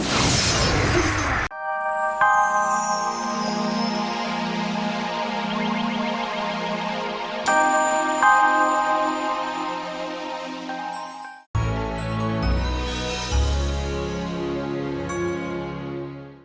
aku akan menuruti semua perintahmu